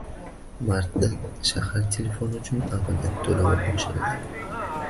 Martdan shahar telefoni uchun abonent toʻlovi oshiriladi.